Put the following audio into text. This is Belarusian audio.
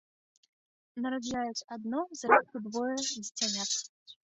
Нараджаюць адно, зрэдку двое дзіцянят.